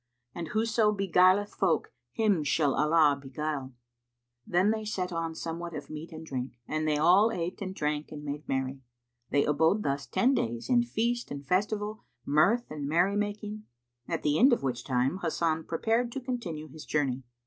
and whoso beguileth folk, him shall Allah begule."[FN#182] Then they set on somewhat of meat and drink, and they all ate and drank and made merry. They abode thus ten days in feast and festival, mirth and merry making, at the end of which time Hasan prepared to continue his journey.